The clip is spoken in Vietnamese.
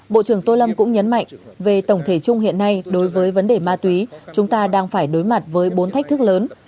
bộ trưởng tô lâm cũng nhấn mạnh về tổng thể chung hiện nay đối với vấn đề ma túy chúng ta đang phải đối mặt với bốn thách thức lớn